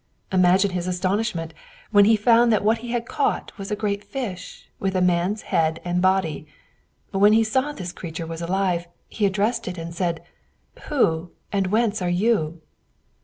Imagine his astonishment when he found that what he had caught was a great fish, with a man's head and body! When he saw that this creature was alive, he addressed it and said, "Who and whence are you?"